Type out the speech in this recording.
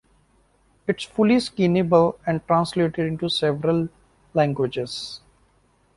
It is fully skinnable and translated into several languages.